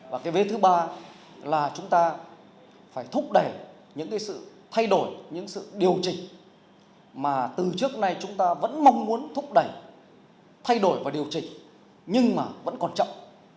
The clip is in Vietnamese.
và cái vế thứ ba là chúng ta phải thúc đẩy những cái sự thay đổi những sự điều chỉnh mà từ trước nay chúng ta vẫn mong muốn thúc đẩy thay đổi và điều chỉnh nhưng mà vẫn còn chậm